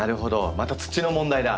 また土の問題だ。